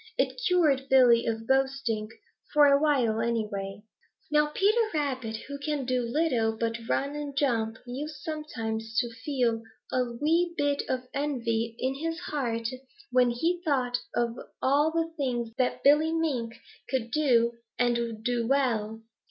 It cured Billy of boasting, for a while, anyway. Now Peter Rabbit, who can do little but run and jump, used sometimes to feel a wee bit of envy in his heart when he thought of all the things that Billy Mink could do and do well.